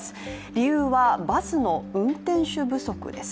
理由はバスの運転手不足です。